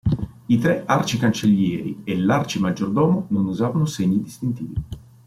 I tre arci-cancellieri e l'arci-maggiordomo non usavano segni distintivi.